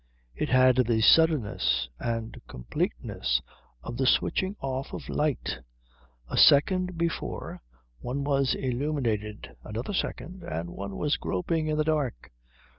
It had the suddenness and completeness of the switching off of light. A second before, one was illuminated; another second, and one was groping in the dark.